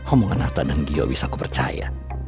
om dengan atta dan gio bisa kupercaya